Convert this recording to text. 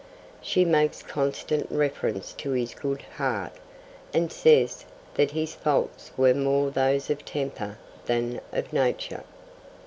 She makes constant reference to his "good heart"'; and says that his faults 'were more those of temper than of nature.'